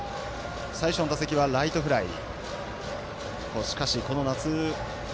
最初の打席はライトフライ。